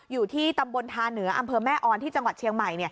อยู่ที่ตำบลทาเหนืออำเภอแม่ออนที่จังหวัดเชียงใหม่